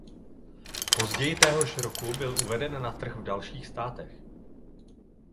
Později téhož roku byl uveden na trh v dalších státech.